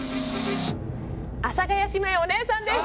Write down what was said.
阿佐ヶ谷姉妹お姉さんです。